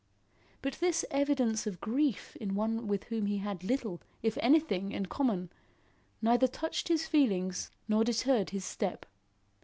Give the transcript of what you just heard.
But this evidence of grief in one with whom he had little, if anything, in common, neither touched his feelings nor deterred his step.